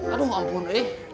aduh ampun eh